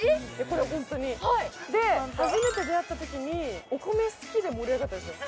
これホントにで初めて出会ったときにお米好きで盛り上がったんですよ